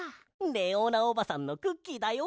レオーナおばさんのクッキーだよ。